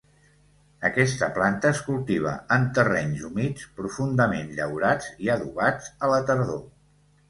Aquesta planta es cultiva en terrenys humits, profundament llaurats i adobats a la tardor.